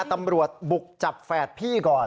ตำรวจบุกจับแฝดพี่ก่อน